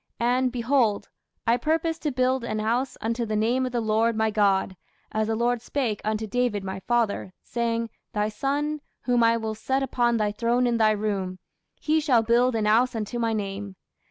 And, behold, I purpose to build an house unto the name of the Lord my God, as the Lord spake unto David my father, saying, Thy son, whom I will set upon thy throne in thy room, he shall build an house unto my name.